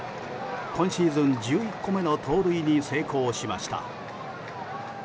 今シーズン１１個目の盗塁に成功しました。